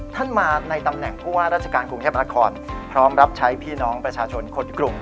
ท่านมาในตำแหน่งผู้ว่าราชการกรุงเทพมนาคมพร้อมรับใช้พี่น้องประชาชนคนกลุ่ม